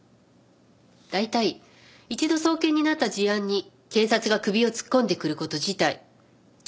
大体一度送検になった事案に警察が首を突っ込んでくる事自体ちょっとびっくりなんだけど。